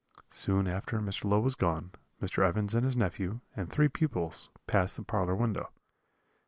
"Soon after Mr. Low was gone, Mr. Evans and his nephew, and three pupils, passed the parlour window.